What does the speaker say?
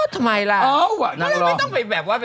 อ๋อทำไมล่ะ